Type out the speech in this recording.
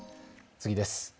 次です。